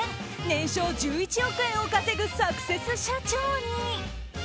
年商１１億円を稼ぐサクセス社長に。